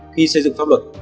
khi xây dựng pháp luật